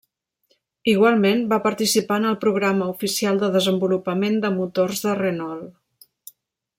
Igualment, va participar en el programa oficial de desenvolupament de motors de Renault.